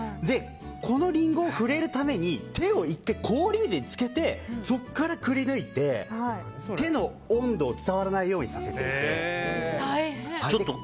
このリンゴに触れるために１回、手を氷水につけてそこからくり抜いて手の温度を伝わらないようにさせてるんです。